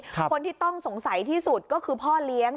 คนที่ต้องสงสัยที่สุดก็คือพ่อเลี้ยง